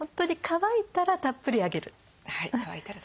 乾いたらたっぷりあげる。